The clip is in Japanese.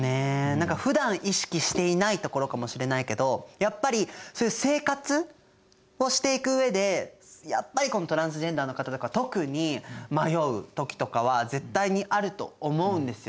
何かふだん意識していないところかもしれないけどやっぱりそういう生活をしていく上でやっぱりトランスジェンダーの方とか特に迷う時とかは絶対にあると思うんですよね。